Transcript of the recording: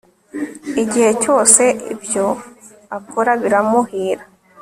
igihe cyose ibyo akora biramuhira